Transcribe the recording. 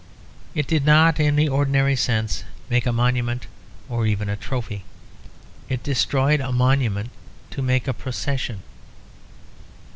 It did not in the ordinary sense make a monument, or even a trophy. It destroyed a monument to make a procession.